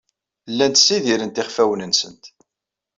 Llant ssidirent iɣfawen-nsent.